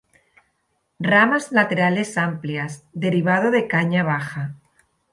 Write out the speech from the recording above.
Ramas laterales amplias; derivado de caña baja.